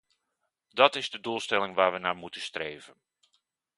Dat is de doelstelling waar we naar moeten streven.